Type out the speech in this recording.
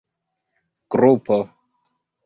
grupo